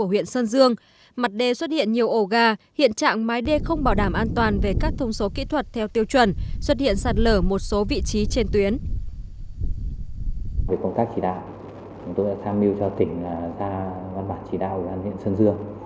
về công tác chỉ đạo chúng tôi đã tham mưu cho tỉnh ra văn bản chỉ đạo của đoàn viện sơn dương